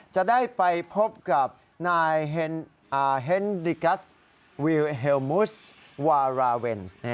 จะได้ไปพบกับนายเฮนดริกัสวิวเฮลมูสวาราเวนส์